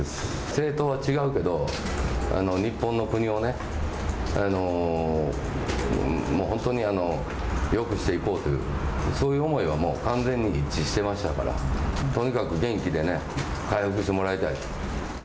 政党は違うけど日本の国を本当によくしていこうというそういう思いは完全に一致していましたから、とにかく元気でね、回復してもらいたい。